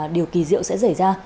điều kỳ diệu sẽ rể ra